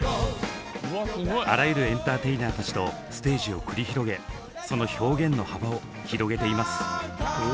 あらゆるエンターテイナーたちとステージを繰り広げその表現の幅を広げています。